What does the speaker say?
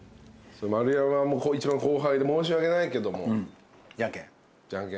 丸山一番後輩で申し訳ないけどもじゃんけん。